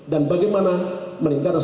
dan bagaimana meningkatkan